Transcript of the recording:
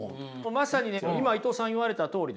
まさにね今伊藤さん言われたとおりでね。